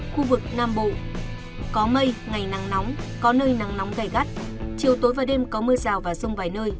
khu vực nam bộ có mây ngày nắng nóng có nơi nắng nóng gai gắt chiều tối và đêm có mưa rào và rông vài nơi